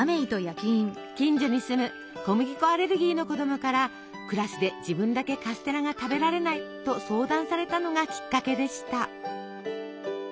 近所に住む小麦粉アレルギーの子供からクラスで自分だけカステラが食べられないと相談されたのがきっかけでした。